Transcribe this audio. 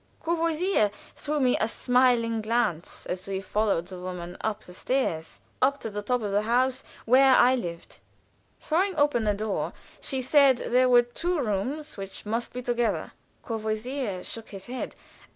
Courvoisier threw me a smiling glance as we followed the woman up the stairs, up to the top of the house, where I lived. Throwing open a door, she said there were two rooms which must go together. Courvoisier shook his head.